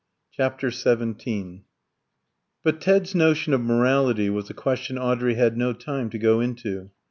CHAPTER XVII But Ted's notion of morality was a question Audrey had no time to go into.